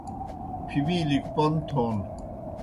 پِھبِیلیْ گہ پوْن تھون